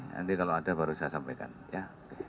nanti kalau ada baru saya sampaikan ya